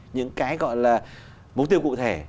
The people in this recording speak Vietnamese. những cái gọi là mục tiêu cụ thể